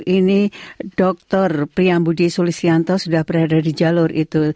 ini dr priyambudi sulisianto sudah berada di jalur itu